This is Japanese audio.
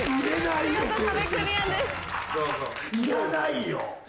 いらないよ！